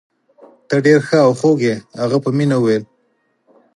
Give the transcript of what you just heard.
ته ډیر ښه او خوږ يې. هغه په مینه وویل.